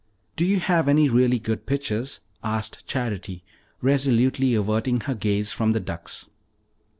"Do you have any really good pictures?" asked Charity, resolutely averting her gaze from the ducks.